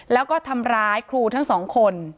แล้วก็ทำร้ายครูทั้งสองคน